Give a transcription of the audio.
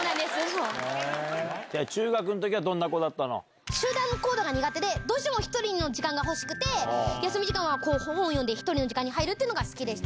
中学のときはどんな子だった集団行動が苦手で、どうしても１人の時間が欲しくて、休み時間は本を読んで、１人の時間に入るっていうのが好きでした。